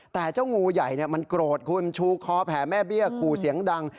แต่เจ้างูใหญ่มันโกรธคุณชูคอแผ่แม่เบี้ยขู่เสียงดัง